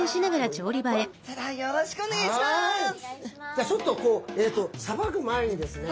じゃあちょっとさばく前にですね